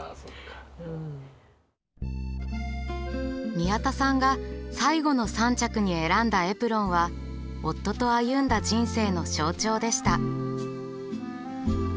宮田さんが「最後の３着」に選んだエプロンは夫と歩んだ人生の象徴でした。